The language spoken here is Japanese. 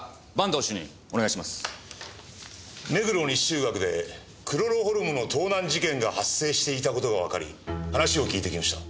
目黒西中学でクロロホルムの盗難事件が発生していた事がわかり話を聞いてきました。